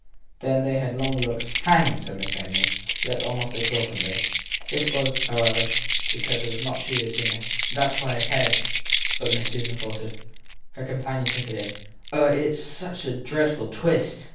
Then they had a long look. Hanged ! said Miss Amy yet almost exultantly. This was, however, because it was not she who had seen. That s why his head but Miss Susan faltered. Her companion took it in. Oh, has such a dreadful twist?